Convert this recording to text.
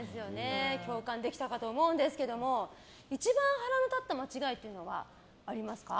共感できたかと思うんですけど一番腹の立った間違いというのはありますか？